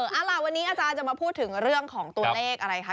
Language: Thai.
เอาล่ะวันนี้อาจารย์จะมาพูดถึงเรื่องของตัวเลขอะไรคะ